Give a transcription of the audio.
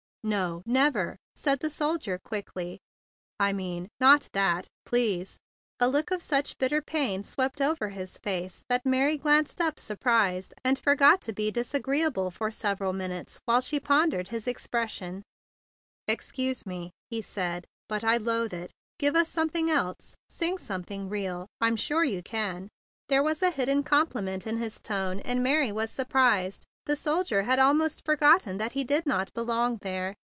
"No! Never!" said the soldier quickly. "I mean—not that, please and a look of such bitter pain swept over his face that Mary glanced up sur¬ prised, and forgot to be disagreeable for several minutes while she pondered his expression. "Excuse me," he said. "But I loathe it. Give us something else; sing some 60 THE BIG BLUE SOLDIER thing real. I'm sure you can." There was a hidden compliment in his tone, and Mary was surprised. The soldier had almost forgotten that he did not be¬ long there.